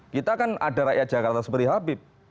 kita kan ada rakyat jakarta seperti habib